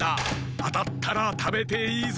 あたったらたべていいぞ。